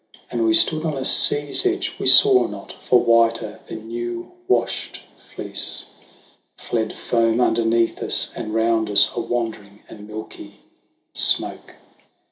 And we stood on a sea's edge we saw not ; for whiter than new washed fleece Fled foam underneath us, and round us, a wandering and milky smoke.